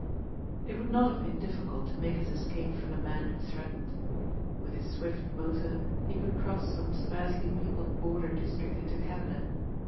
It would not have been difficult to make his escape from the man who threatened. With his swift motor he could cross some sparsely peopled border district into Canada.